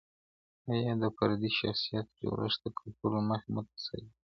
آیا د فردي شخصیت جوړښت د کلتور له مخې متأثر کیږي؟